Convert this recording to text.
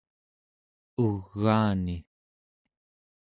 ugaani